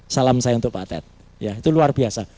salam saya untuk pak ted ya itu luar biasa